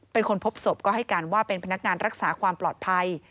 เป็นคนพบศพก็ให้การว่าเป็นพนักงานรักษาความปลอดภัย